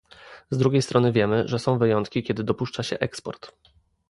Z drugiej strony, wiemy, że są wyjątki, kiedy dopuszcza się eksport